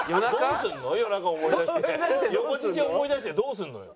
横乳思い出してどうするのよ。